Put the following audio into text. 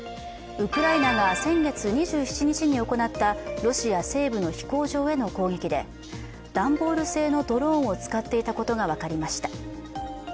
ウクライナが先月２７日に行ったロシア西部の飛行場への攻撃で段ボール製のドローンを使っていたことが分かりました。